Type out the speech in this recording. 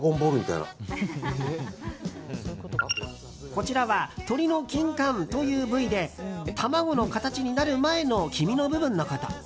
こちらは鶏のキンカンという部位で卵の形になる前の黄身の部分のこと。